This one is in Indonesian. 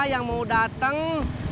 yang mau dateng